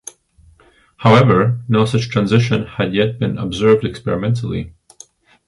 However, no such transition had yet been observed experimentally.